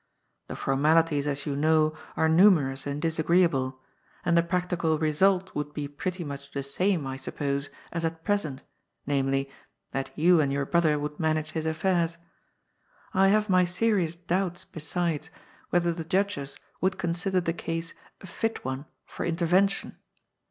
The formalities, as you know, are numerous and disagreeable, and the practical result would be pretty much the same, I suppose, as at present, namely, that you and your brother would manage his affairs. I hare my serious doubts, besides, whether the judges would consider the case a fit one for intervention.